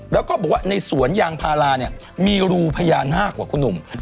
แล้วก็บอกว่าในสวนยางพาราเนี่ยมีรูพญานาคกว่าคุณหนุ่ม